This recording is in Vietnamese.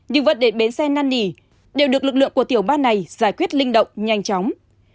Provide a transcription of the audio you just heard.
điều vận đề bến xe năn nỉ đều được lực lượng của tiểu ban này giải quyết linh động nhanh chóng